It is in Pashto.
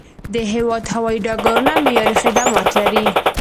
د هیواد هوایي ډګرونه معیاري خدمات لري.